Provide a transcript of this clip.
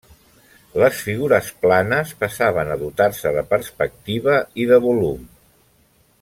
Les figures planes passaven a dotar-se de perspectiva i de volum.